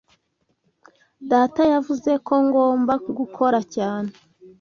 Data yavuze ko ngomba gukora cyane.